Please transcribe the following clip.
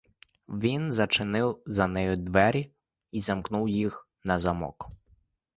Він зачинив за нею двері і замкнув їх на замок.